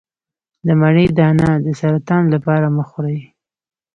د مڼې دانه د سرطان لپاره مه خورئ